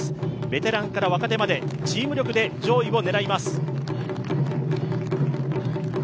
ベテランから若手までチーム力で上位を狙います。